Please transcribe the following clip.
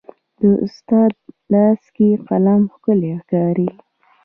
د استاد لاس کې قلم ښکلی ښکاري.